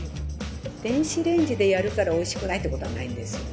電子レンジでやるからおいしくないってことはないんですよ。